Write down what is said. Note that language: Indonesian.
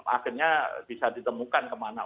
akhirnya bisa ditemukan kemana